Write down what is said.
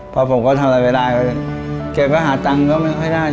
พอผมทำอะไรไม่ได้ก็เก็บไว้หาเง้อน่ะ